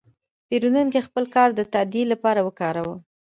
پیرودونکی خپل کارت د تادیې لپاره وکاراوه.